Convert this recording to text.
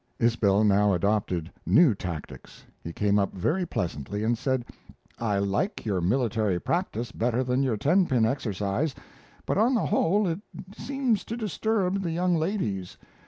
Isbell now adopted new tactics. He came up very pleasantly and said: "I like your military practice better than your tenpin exercise, but on the whole it seems to disturb the young ladies.